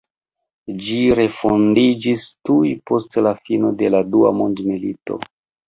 Ĝi refondiĝis tuj post la fino de la Dua Mondmilito.